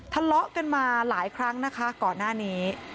ทะเลาะกันมาหลายครั้งนะคะก่อนหน้านี้